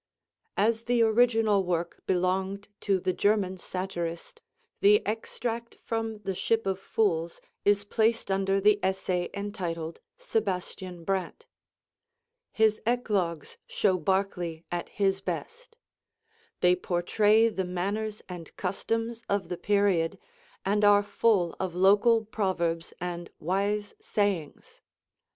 As the original work belonged to the German satirist, the extract from the 'Ship of Fools' is placed under the essay entitled 'Sebastian Brandt.' His 'Eclogues' show Barclay at his best. They portray the manners and customs of the period, and are full of local proverbs and wise sayings.